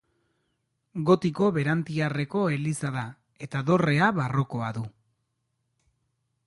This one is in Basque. Gotiko berantiarreko eliza da eta dorrea barrokoa du.